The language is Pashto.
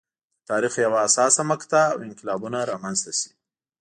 د تاریخ یوه حساسه مقطعه او انقلابونه رامنځته شي.